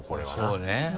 そうね。